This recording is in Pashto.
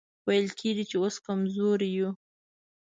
ويې ويل چې اوس کمزوري يو.